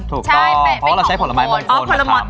ถูกต้องเพราะเราใช้ผลไม้มงคล